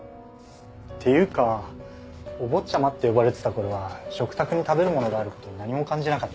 っていうかお坊ちゃまって呼ばれてた頃は食卓に食べるものがある事に何も感じなかった。